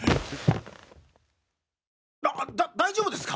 あっ大丈夫ですか？